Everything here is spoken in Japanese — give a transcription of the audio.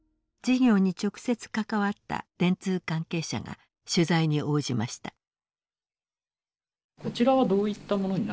事業に直接関わった電通関係者が取材に応じました。